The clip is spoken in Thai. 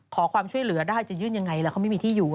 ขอความช่วยเหลือได้จะยื่นยังไงแล้วเขาไม่มีที่อยู่